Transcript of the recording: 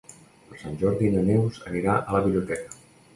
Per Sant Jordi na Neus anirà a la biblioteca.